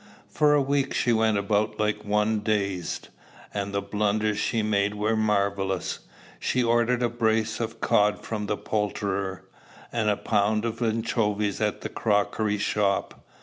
For a week she went about like one dazed; and the blunders she made were marvellous. She ordered a brace of cod from the poulterer, and a pound of anchovies at the crockery shop.